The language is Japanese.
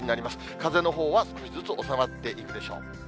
風のほうは少しずつ収まっていくでしょう。